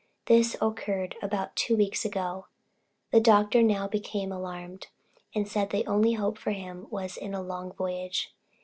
This occurred about two weeks ago. The doctor now became alarmed, and said the only hope for him was in a long voyage.